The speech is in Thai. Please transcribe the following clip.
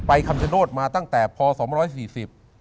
ไปคำเชโนธมาตั้งแต่พศ๒๔๐